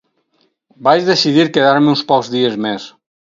Vaig decidir quedar-me uns pocs dies més.